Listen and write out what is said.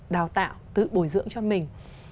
đào tạo tự bồi dưỡng cho mình